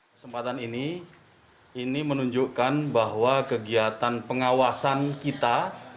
kesempatan ini ini menunjukkan bahwa kegiatan pengawasan kita